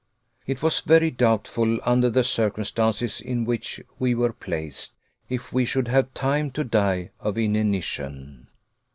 It was very doubtful, under the circumstances in which we were placed, if we should have time to die of inanition.